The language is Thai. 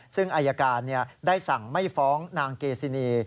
ซึ่งอายการได้สั่งไม่ฟ้องนางเกซินี